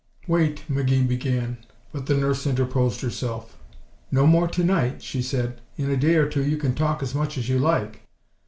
"Wait," McGee began, but the nurse interposed herself. "No more to night," she said. "In a day or two you can talk as much as you like."